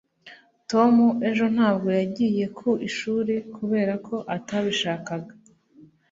tom ejo ntabwo yagiye ku ishuri kubera ko atabishakaga